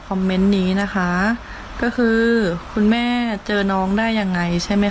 เมนต์นี้นะคะก็คือคุณแม่เจอน้องได้ยังไงใช่ไหมค